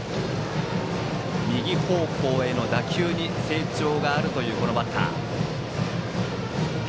右方向への打球に成長があるというこのバッター。